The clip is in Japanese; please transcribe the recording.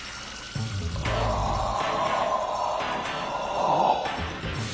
ああ。